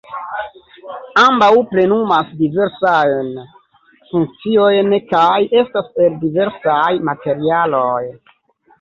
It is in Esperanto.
Ambaŭ plenumas diversajn funkciojn kaj estas el diversaj materialoj.